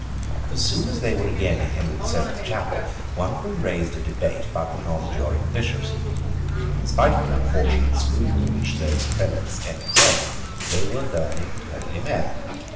As soon as they were again in Henry the Seventh's Chapel, one of them raised a debate about the nonjuring bishops. In spite of the unfortunate scruple which those prelates entertained, they were learned and holy men.